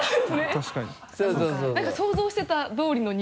確かに。